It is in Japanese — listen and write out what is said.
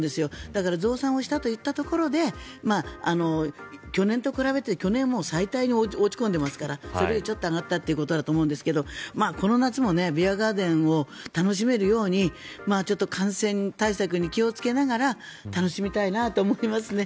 だから増産したといったところで去年と比べて去年は最大に落ち込んでいますからそれよりちょっと上がったということだと思うんですがこの夏もビアガーデンを楽しめるようにちょっと感染対策に気をつけながら楽しみたいなと思いますね。